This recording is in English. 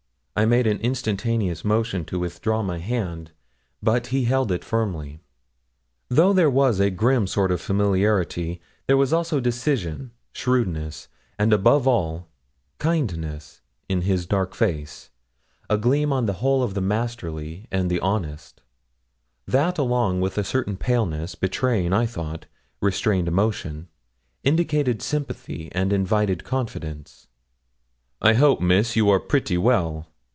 I made an instantaneous motion to withdraw my hand, but he held it firmly. Though there was a grim sort of familiarity, there was also decision, shrewdness, and, above all, kindness, in his dark face a gleam on the whole of the masterly and the honest that along with a certain paleness, betraying, I thought, restrained emotion, indicated sympathy and invited confidence. 'I hope, Miss, you are pretty well?'